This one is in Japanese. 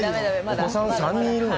お子さん、３人いるの？